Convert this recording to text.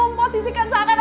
kamu harus mencari aku